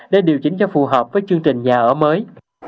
để điều chỉnh cho phù hợp với chương trình nhà ở mới